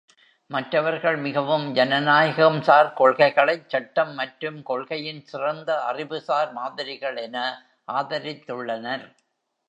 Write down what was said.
மற்றவர்கள் மிகவும் ஜனநாயகம் சார் கொள்கைகளைச் சட்டம் மற்றும் கொள்கையின் சிறந்த அறிவுசார் மாதிரிகள் என ஆதரித்துள்ளனர்.